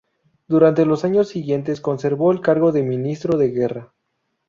Durante los años siguientes conservó el cargo de Ministro de Guerra.